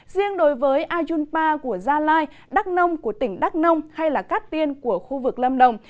riêng đối với ayunpa của gia lai đắk nông của tỉnh đắk nông hay cát tiên của khu vực lâm đồng